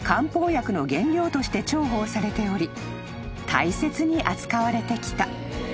［大切に扱われてきた］